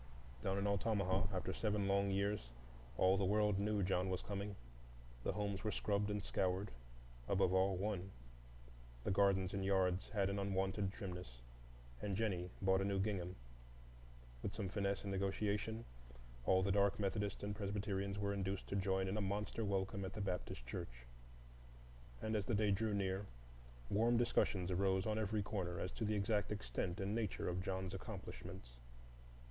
Down in Altamaha, after seven long years, all the world knew John was coming. The homes were scrubbed and scoured,—above all, one; the gardens and yards had an unwonted trimness, and Jennie bought a new gingham. With some finesse and negotiation, all the dark Methodists and Presbyterians were induced to join in a monster welcome at the Baptist Church; and as the day drew near, warm discussions arose on every corner as to the exact extent and nature of John's accomplishments.